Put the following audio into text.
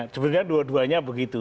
sebenarnya dua duanya begitu